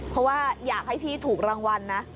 เพราะว่าอยากให้พี่ถูกรางวัลนะ